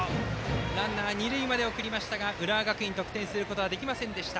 ランナー、二塁まで送りましたが浦和学院、得点できませんでした。